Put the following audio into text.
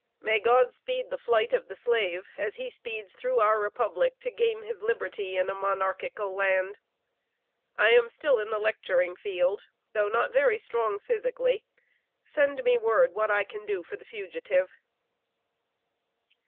May God speed the flight of the slave as he speeds through our Republic to gain his liberty in a monarchical land. I am still in the lecturing field, though not very strong physically.... Send me word what I can do for the fugitive."